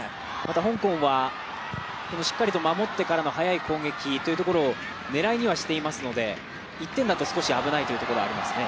香港はしっかりと守ってからの速い攻撃というところを狙いにはしていますので、１点だと少し危ないというところがありますね。